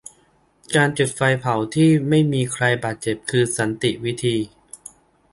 การจุดไฟเผาที่ไม่มีใครบาดเจ็บ คือสันติวิธี